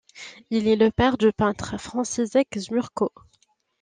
Il est le père du peintre Franciszek Żmurko.